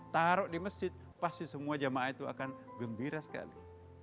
taruh di masjid pasti semua jamaah itu akan gembira sekali